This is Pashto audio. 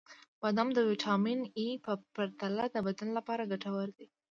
• بادام د ویټامین ای په پرتله د بدن لپاره ګټور دي.